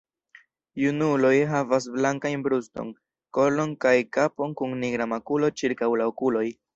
Junuloj havas blankajn bruston, kolon kaj kapon kun nigra makulo ĉirkaŭ la okuloj.